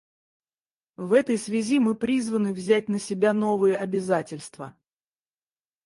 В этой связи мы призваны взять на себя новые обязательства.